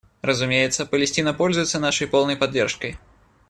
Разумеется, Палестина пользуется нашей полной поддержкой.